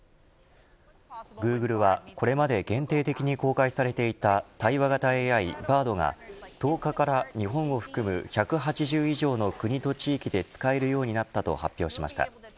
グーグルはこれまで限定的に公開されていた対話型ＡＩ、Ｂａｒｄが１０日から日本を含む１８０以上の国と地域で使えるようになったと発表しました。